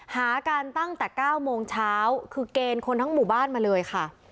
หากันตั้งแต่๙โมงเช้าคือเกณฑ์คนทั้งหมู่บ้านมาเลยค่ะ